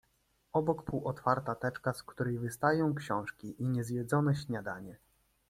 Obok półotwarta teczka, z której wy stają książki i nie zjedzone śniadanie.